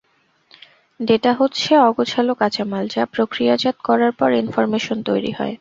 Data হচ্ছে অগোছালো কাঁচামাল, যা পক্রিয়াজাত করার পর ইনফরমেশন তৈরি হয়।